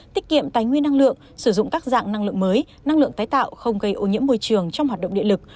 tiết kiệm tài nguyên năng lượng sử dụng các dạng năng lượng mới năng lượng tái tạo không gây ô nhiễm môi trường trong hoạt động địa lực